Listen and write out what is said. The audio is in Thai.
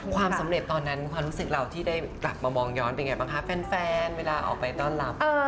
ความสำเร็จตอนนั้นความรู้สึกเราที่ได้กลับมามองย้อนเป็นไงบ้างคะแฟนเวลาออกไปต้อนรับ